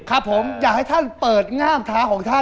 ครับผมอยากให้ท่านเปิดง่ามเท้าของท่าน